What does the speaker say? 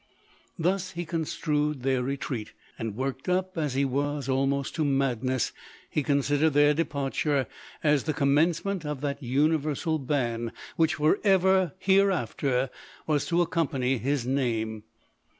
Thus he construed their retreat ; and worked up, as he was, almost to madness, he considered their departure as the commencement of that universal ban, which for ever, hereafter, was to accompany his name.